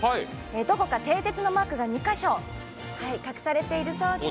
どこか、てい鉄のマークが２か所、隠されているそうです。